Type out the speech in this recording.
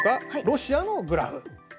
ロシアのグラフ。